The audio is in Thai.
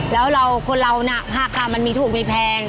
แล้วเราคนเรานะภาคการมันมีถูกไม่แพง